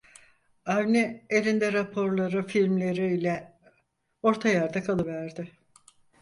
Avni elinde raporları, filmleri ile orta yerde kalıverdi.